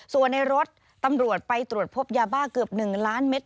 ส่วนในรถตำรวจไปตรวจพบยาบ้าเกือบ๑ล้านเมตร